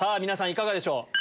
皆さんいかがでしょう？